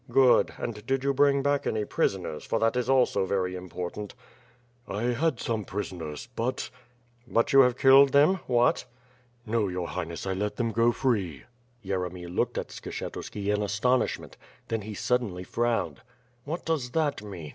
"Good, and did you bring back any prisoners, fof that is also very important." "I had some prisoners. ... but —" "But you have killed them? What?" ^rNo, your Highness, I let them go free." Yeremy looked at Skshetuski in astonishment; then he suddenly irowned: "What does that mean?